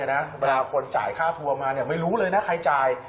เวลาคนจ่ายค่าทัวร์มาไม่รู้เลยนะใครจ่าย